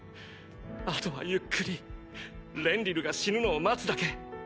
あとはゆっくりレンリルが死ぬのを待つだけ。